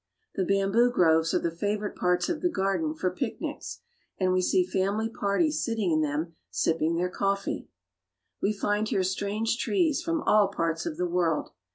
The bamboo groves are the favorite parts of the garden for picnics, and we see family parties sit ting in them sipping their coffee. We find here strange trees from all parts of the world.